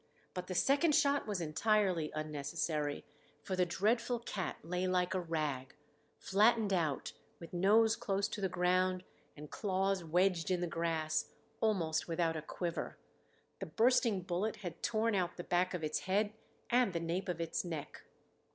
But the second shot was entirely unnecessary, for the dreadful cat lay like a rag, flattened out, with nose close to the ground and claws wedged in the grass almost without a quiver. The bursting bullet had torn out the back of its head and the nape of its neck.